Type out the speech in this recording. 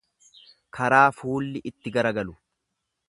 Karaa fuulli itti garagalu.